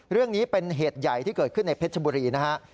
เรื่องนี้เป็นเหตุใหญ่ที่เกิดขึ้นในเพชรบุรีนะฮะ